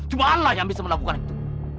cuma allah yang bisa melakukan itu